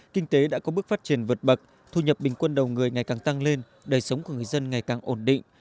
kinh tế đã có bước phát triển vượt bậc thu nhập bình quân đầu người ngày càng tăng lên đời sống của người dân ngày càng ổn định